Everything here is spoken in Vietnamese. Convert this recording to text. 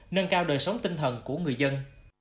nâng cao đời sống tinh thần của người dân